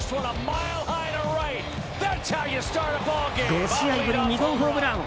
５試合ぶり２号ホームラン。